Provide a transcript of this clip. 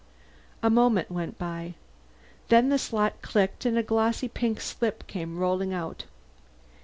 A moment went by. Then the slot clicked and a glossy pink slip came rolling out.